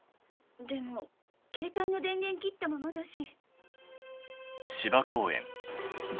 でもケータイの電源切ったままだし。